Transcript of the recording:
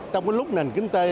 trong lúc nền kinh tế